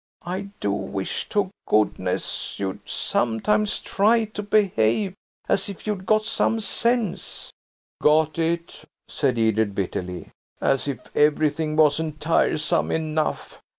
I do wish to goodness you'd sometimes try to behave as if you'd got some sense." "Go it!" said Edred bitterly. "As if everything wasn't tiresome enough.